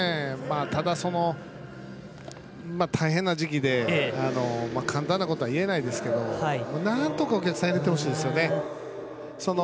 ただ大変な時期で簡単なことは言えませんけれどなんとかお客さんを入れてほしいですよね。